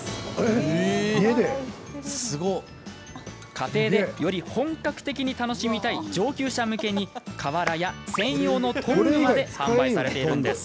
家庭で、より本格的に楽しみたい上級者向けに瓦や専用のトングまで販売されているんです。